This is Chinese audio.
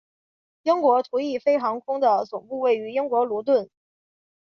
英国途易飞航空的总部位于英国卢顿。